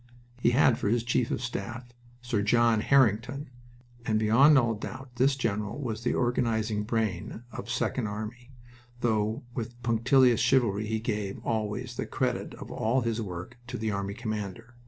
He had for his chief of staff Sir John Harington, and beyond all doubt this general was the organizing brain of to Second Army, though with punctilious chivalry he gave, always, the credit of all his work to the army commander.